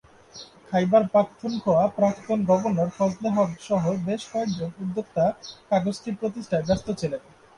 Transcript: খাইবার পাখতুনখোয়া প্রাক্তন গভর্নর ফজলে হক সহ বেশ কয়েকজন উদ্যোক্তা কাগজটি প্রতিষ্ঠায় ব্যস্ত ছিলেন।